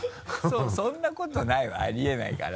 「そんなことない」はありえないから。